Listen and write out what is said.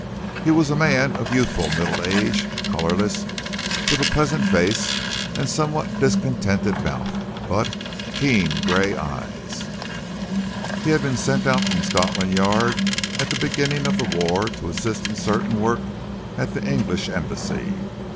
He was a man of youthful middle age, colourless, with pleasant face, a somewhat discontented mouth, but keen grey eyes. He had been sent out from Scotland Yard at the beginning of the war to assist in certain work at the English Embassy.